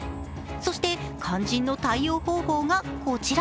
そして肝心の対応方法がこちら。